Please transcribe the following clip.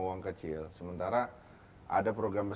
ini bisa dipilih pada map di hari amaran